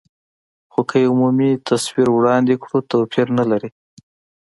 خو که یو عمومي تصویر وړاندې کړو، توپیر نه لري.